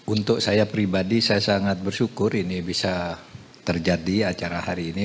untuk saya pribadi saya sangat bersyukur ini bisa terjadi acara hari ini